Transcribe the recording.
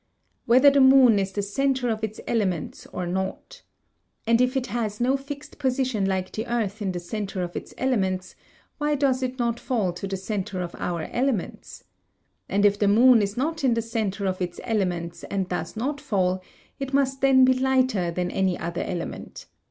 Whether the moon is the centre of its elements or not. And if it has no fixed position like the earth in the centre of its elements, why does it not fall to the centre of our elements? And if the moon is not in the centre of its elements and does not fall, it must then be lighter than any other element.